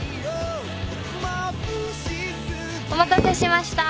お待たせしました。